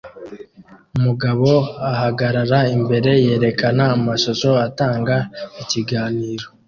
Umugabo ahagarara imbere yerekana amashusho atanga ikiganiro